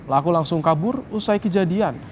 laku langsung kabur usai kejadian